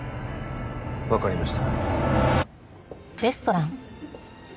わかりました。